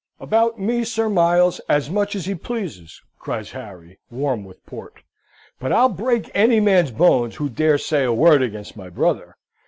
"About me, Sir Miles, as much as he pleases," cries Harry, warm with port: "but I'll break any man's bones who dares say a word against my brother!